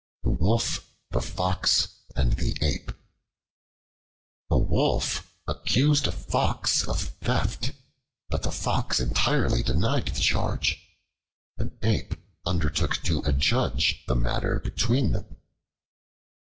The Wolf, the Fox, and the Ape A WOLF accused a Fox of theft, but the Fox entirely denied the charge. An Ape undertook to adjudge the matter between them.